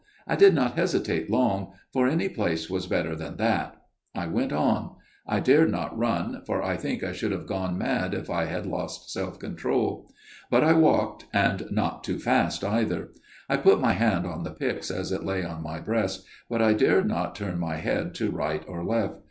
I did not hesitate long, for any place was better than that. I went on ; I dared not run ; for I think I should have gone mad if I had lost self control ; but I walked, and not too fast, either ; I put my hand on the pyx as it lay on my breast, but I dared not turn my head to right or left.